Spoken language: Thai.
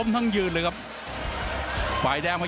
โอ้โหโอ้โหโอ้โหโอ้โหโอ้โห